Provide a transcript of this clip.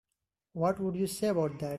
What would you say about that?